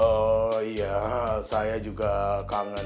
oh iya saya juga kangen